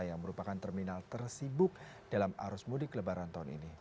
yang merupakan terminal tersibuk dalam arus mudik lebaran tahun ini